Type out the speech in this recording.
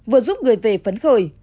vừa giúp người về phấn khởi